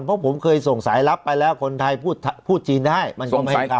เพราะผมเคยส่งสายลับไปแล้วคนไทยพูดจีนได้มันก็ไม่เข้า